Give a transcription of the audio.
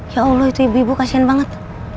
ya allah itu ibu ibu kasian banget